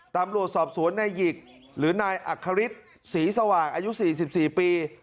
ตามรวชสอบสวนแน่หยิกหรือนายอัคฮฤทธิ์ศรีสว่างอายุ๔๔ปี